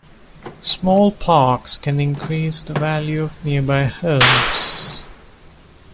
Small parks can increase the value of nearby homes.